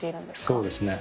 そうですね。